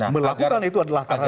melakukan itu adalah karena